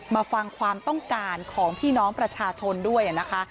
มาฟังความต้องการของพี่น้องประชาชนด้วยนะคะ